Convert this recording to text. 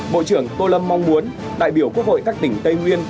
bộ trưởng tô lâm mong muốn đại biểu quốc hội các tỉnh tây nguyên